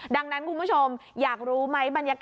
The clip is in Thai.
ดังนั้นคุณผู้ชมอยากรู้ไหมบรรยากาศ